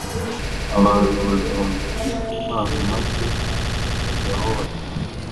Abantu bazumva ijwi ry’Imana maze bakajya aho batumwe.